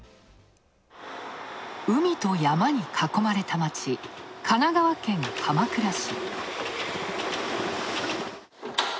海と山に囲まれた町、神奈川県鎌倉市。